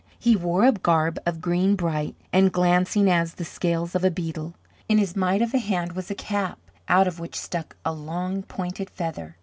He wore a garb of green bright and glancing as the scales of a beetle. In his mite of a hand was a cap, out of which stuck a long pointed feather.